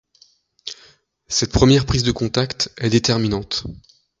Cette première prise de contact est déterminante.